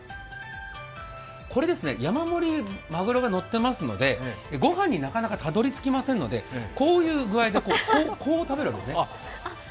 これですね、山盛りまぐろがのっていますので、御飯になかなかたどり着きませんので、こういうぐあいで、こう食べるわけですね。